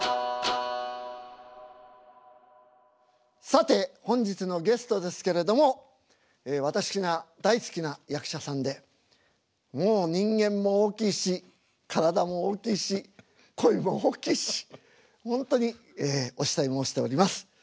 さて本日のゲストですけれども私が大好きな役者さんでもう人間も大きいし体も大きいし声も大きいし本当にお慕い申しております。